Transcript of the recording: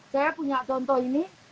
saya punya contoh ini